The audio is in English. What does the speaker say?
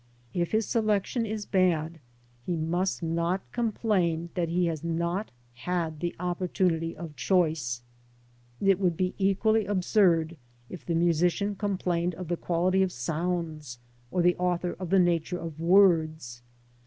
If his selection is bad, he must not complain that he has riot had the opportunity of choice. It would be equally absurd if the musician complained of the quality of sounds, or the author of the nature of words.